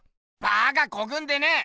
バカこくんでねぇ！